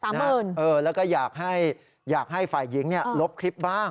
แล้วก็อยากให้ฝ่ายหญิงลบคลิปบ้าง